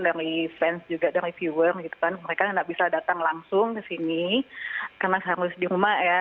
dari fans juga dari viewer gitu kan mereka nggak bisa datang langsung ke sini karena harus di rumah ya